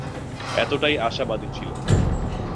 এতটাই আশাবাদী ছিলেন।